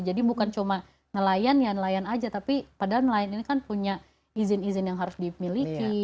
jadi bukan cuma nelayan ya nelayan aja tapi padahal nelayan ini kan punya izin izin yang harus dimiliki